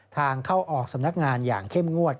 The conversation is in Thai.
ทางเข้าออกสำนักงานอย่างเข้มงวด